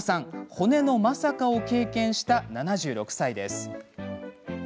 骨のまさかを経験した７６歳です。